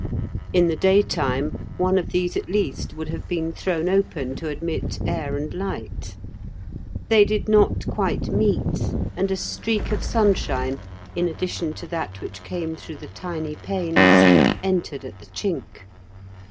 In the daytime one of these at least would have been thrown open to admit air and light. They did not quite meet, and a streak of sunshine, in addition to that which came through the tiny panes, entered at the chink.